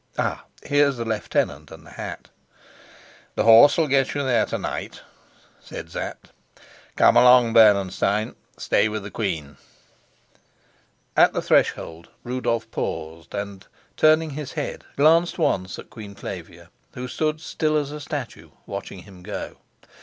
Ah, here's the lieutenant and the hat." "The horse'll get you there to night," said Sapt. "Come along. Bernenstein, stay with the queen." At the threshold Rudolf paused, and, turning his head, glanced once at Queen Flavia, who stood still as a statue, watching him go.